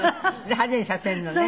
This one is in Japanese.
で派手にさせるのね。